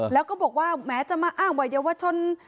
แล้วก็บอกว่าแม้จะมาอ้างว่าเยาวชน